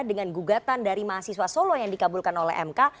dengan gugatan dari mahasiswa solo yang dikabulkan oleh mk